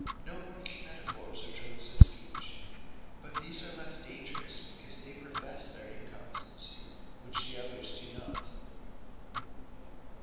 No more can Metaphors, and Tropes of speech: but these are less dangerous, because they profess their inconstancy; which the other do not.